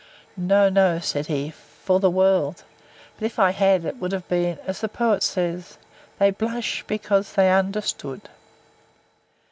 —No, no, said he, for the world: but if I had, it would have been, as the poet says, 'They blush, because they understand.